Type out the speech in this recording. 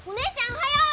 おはよう！